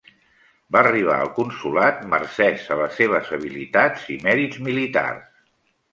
Va arribar al consolat mercès a les seves habilitats i mèrits militars.